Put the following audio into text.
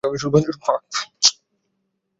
শূন্য স্থান ডিটেক্ট করার প্রোগ্রামটা বানাইনি!